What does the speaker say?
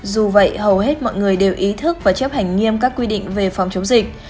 dù vậy hầu hết mọi người đều ý thức và chấp hành nghiêm các quy định về phòng chống dịch